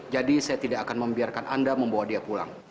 jadi saya tidak akan membiarkan anda membawa dia pulang